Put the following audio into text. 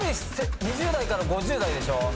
２０代から５０代でしょ。